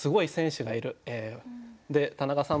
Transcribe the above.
で田中さん